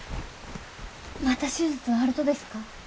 また手術はあるとですか？